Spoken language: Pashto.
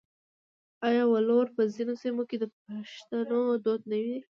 آیا ولور په ځینو سیمو کې د پښتنو دود نه دی؟